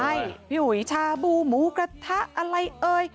ใช่พี่อุ๋ยชาบูหมูกระทะอะไรเอ่ย